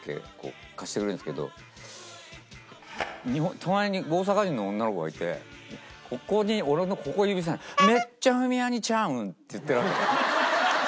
隣に大阪人の女の子がいてここに俺のここ指さして「めっちゃフミヤ似ちゃうん？」って言ってるわけ。